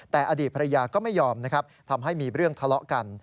แต่อดีตภรรยาก็ไม่ยอมนะครับทำให้มีเรื่องทะเลาะกัน